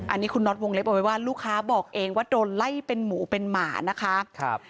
อันนี้คุณน็อตวงเล็บเอาไว้ว่าลูกค้าบอกเองว่าโดนไล่เป็นหมูเป็นหมานะคะ